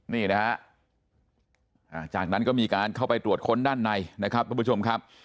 นี่นะฮะจากนั้นก็มีการเข้าไปตรวจค้นด้านในนะครับทุกผู้ชมครับ